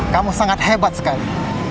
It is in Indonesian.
kamu sangat hebat sekali